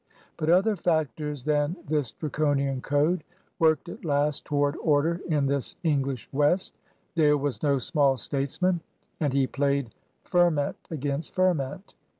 But other factors than this Draco^an code worked at last toward order in this English West. Dale was no small statesman, and he played fer ment against ferment.